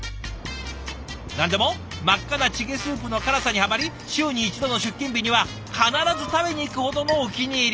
何でも真っ赤なチゲスープの辛さにハマり週に１度の出勤日には必ず食べに行くほどのお気に入り。